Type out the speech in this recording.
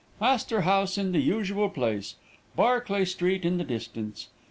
Astor House in the usual place. Barclay street in the distance.